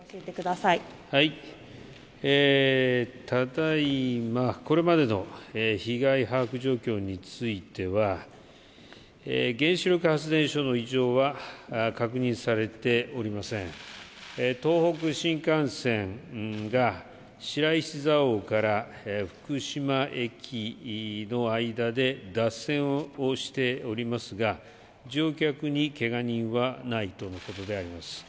ただいま、これまでの被害把握状況については、原子力発電所の異常は確認されておりません東北新幹線が、白石蔵王から福島駅の間で脱線をしておりますが、乗客にけが人はないとのことであります。